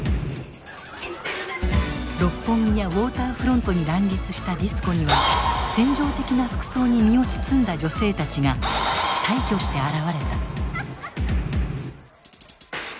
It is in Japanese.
六本木やウォーターフロントに乱立したディスコには扇情的な服装に身を包んだ女性たちが大挙して現れた。